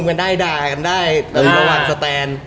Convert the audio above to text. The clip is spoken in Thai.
ขึ้นมาหวังสแตน